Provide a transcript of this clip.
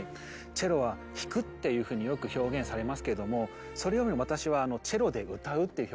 チェロは「弾く」っていうふうによく表現されますけどもそれよりも私はチェロで「歌う」っていう表現が好きなんですね。